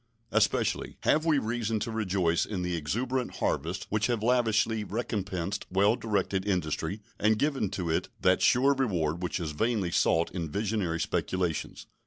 Especially have we reason to rejoice in the exuberant harvests which have lavishly recompensed well directed industry and given to it that sure reward which is vainly sought in visionary speculations.